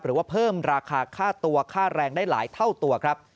หรือว่าเพิ่มราคาค่าตัวค่าแรงได้หลายเท่าตัวครับ